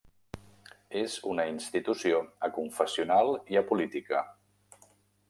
És una institució aconfessional i apolítica.